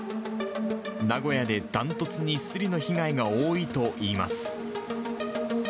名古屋で断トツにすりの被害が多いといいます。